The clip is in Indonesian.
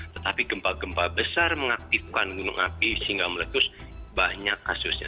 tetapi gempa gempa besar mengaktifkan gunung api sehingga meletus banyak kasusnya